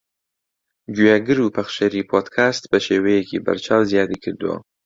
گوێگر و پەخشەری پۆدکاست بەشێوەیەکی بەرچاو زیادی کردووە